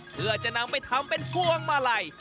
เพื่อจะนำไปทำเป็นพวงมาลัย